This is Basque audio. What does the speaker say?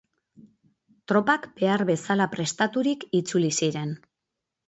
Tropak behar bezala prestaturik itzuli ziren.